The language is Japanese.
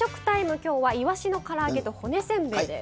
今日はいわしのから揚げと骨せんべいです。